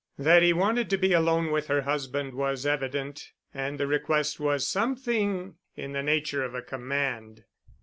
That he wanted to be alone with her husband was evident, and the request was something in the nature of a command.